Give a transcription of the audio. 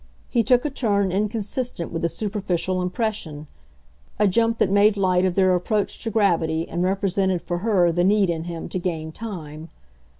He took a turn inconsistent with the superficial impression a jump that made light of their approach to gravity and represented for her the need in him to gain time.